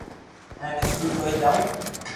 ھين اسڪول ڪوئي جاو